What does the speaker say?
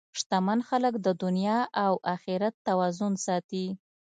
شتمن خلک د دنیا او اخرت توازن ساتي.